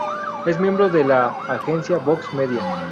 Es miembro de la agencia "Box Media".